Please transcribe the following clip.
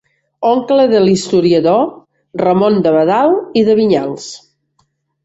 Oncle de l'historiador Ramon d'Abadal i de Vinyals.